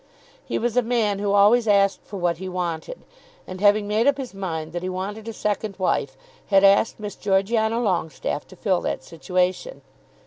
He was a man who always asked for what he wanted; and having made up his mind that he wanted a second wife, had asked Miss Georgiana Longestaffe to fill that situation.